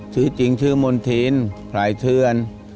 ชื่อจริงชื่อมลทินแผลเชื่อน